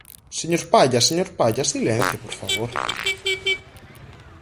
Señor Palla, señor Palla, silencio, por favor.